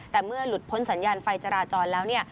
แต่เมื่อหลุดพ้นสัญญาณไฟจราจรแล้ว